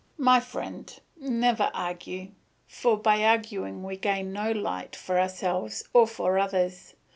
My friend, never argue; for by arguing we gain no light for ourselves or for others.